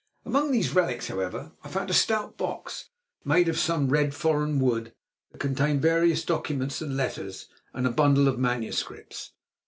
"Among these relics, however, I found a stout box, made of some red foreign wood, that contained various documents and letters and a bundle of manuscripts.